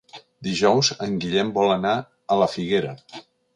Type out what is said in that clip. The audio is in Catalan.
Dijous en Guillem vol anar a la Figuera.